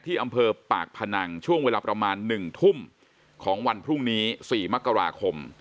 อำเภอปากพนังช่วงเวลาประมาณ๑ทุ่มของวันพรุ่งนี้๔มกราคม